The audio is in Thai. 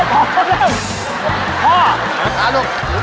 มาสร้างลูกนะคะ